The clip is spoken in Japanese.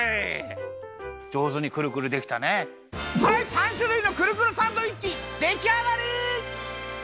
３しゅるいのくるくるサンドイッチできあがり！